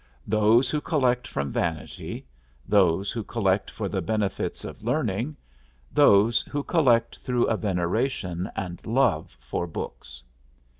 Those who collect from vanity; those who collect for the benefits of learning; those who collect through a veneration and love for books.